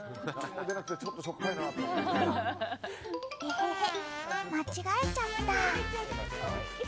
えへへ、間違えちゃった。